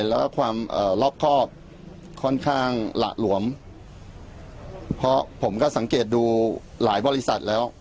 แล้วก็ความรอบครอบค่อนข้างหละหลวมเพราะผมก็สังเกตดูหลายบริษัทแล้ว